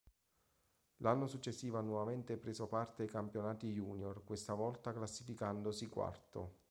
L'anno successivo ha nuovamente preso parte ai campionati junior, questa volta classificandosi quarto.